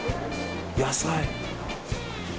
野菜。